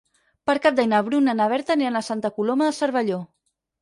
Per Cap d'Any na Bruna i na Berta aniran a Santa Coloma de Cervelló.